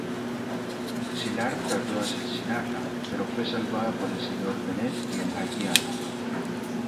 Sylar trató de asesinarla, pero fue salvada por el Señor Bennet y el Haitiano.